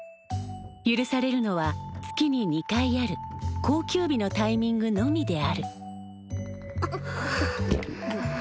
許されるのは月に２回ある公休日のタイミングのみである。